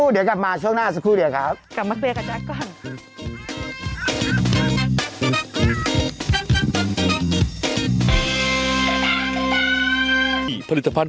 เดี๋ยวกลับมาช่วงหน้าสักครู่เดี๋ยวครับ